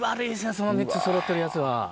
その３つそろってるやつは。